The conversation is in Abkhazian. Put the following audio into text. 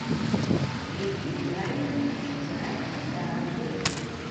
Егьи дааины аҽцәа раԥхьа даагылеит.